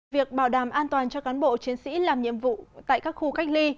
việc bảo đảm an toàn cho cán bộ chiến sĩ làm nhiệm vụ tại các khu cách ly